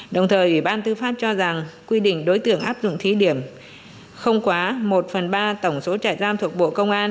đồng thời ủy ban tư pháp cho rằng quy định đối tượng áp dụng thí điểm không quá một phần ba tổng số trại giam thuộc bộ công an